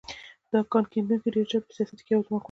دا کان کیندونکي ډېر ژر په سیاست کې یو ځواکمن اړخ شو.